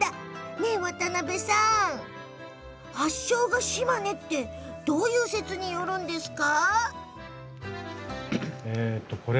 ねえ、渡部さん発祥が島根ってどういう説によるんですか？